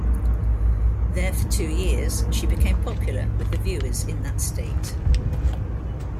There for two years, she became popular with the viewers in that state.